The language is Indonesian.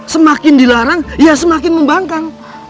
semakin dilarang ya semakin membangkang